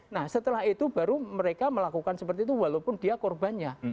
nah setelah itu baru mereka melakukan seperti itu walaupun dia korbannya